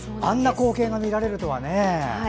あんな光景が見られるとはね。